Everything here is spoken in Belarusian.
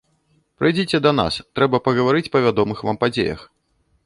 Прыйдзіце да нас, трэба пагаварыць па вядомых вам падзеях.